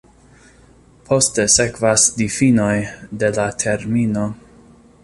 Poste sekvas difinoj de la termino.